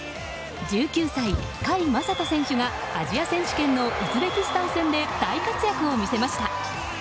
１９歳、甲斐優斗選手がアジア選手権のウズベキスタン戦で大活躍を見せました。